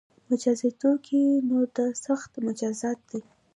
مجازاتو کې نو دا سخت مجازات دي